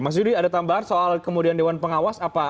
mas yudi ada tambahan soal kemudian dewan pengawas apa